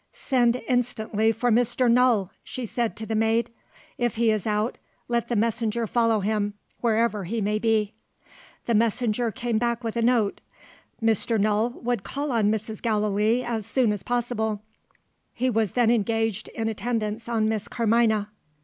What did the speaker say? "Send instantly for Mr. Null," she said to the maid. "If he is out, let the messenger follow him, wherever he may be." The messenger came back with a note. Mr. Null would call on Mrs. Gallilee as soon as possible. He was then engaged in attendance on Miss Carmina.